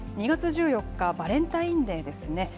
２月１４日、バレンタインデーですね。